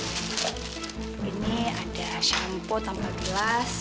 ini ada shampoo tanpa gelas